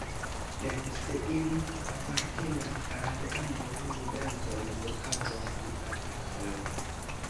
Sed se ili apartenas al ambaŭ ludantoj, okazos batalo.